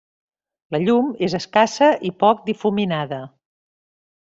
La llum és escassa i poc difuminada.